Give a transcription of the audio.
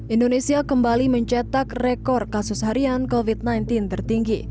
indonesia kembali mencetak rekor kasus harian covid sembilan belas tertinggi